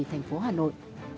thành phố hà nội